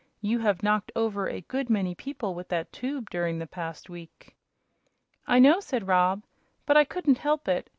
"You have knocked over a good many people with that tube during the past week." "I know," said Rob; "but I couldn't help it.